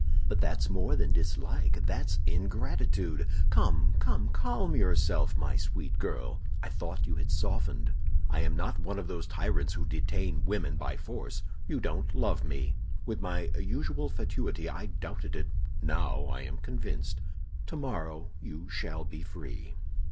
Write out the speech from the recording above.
But that's more than dislike, that's ingratitude! Come, come, calm yourself, my sweet girl! I thought you had softened. I am not one of those tyrants who detain women by force. You don't love me. With my usual fatuity I doubted it; now I am convinced. Tomorrow you shall be free.